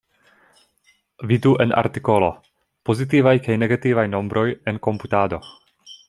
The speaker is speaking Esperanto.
Vidu en artikolo pozitivaj kaj negativaj nombroj en komputado.